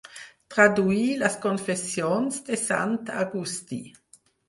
Traduí les Confessions de Sant Agustí.